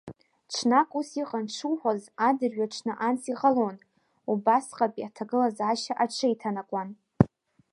Ҽнак ас иҟан шуҳәоз, адырҩаҽны анс иҟалон, убасҟатәи аҭагылазаашьа аҽеиҭанакуан.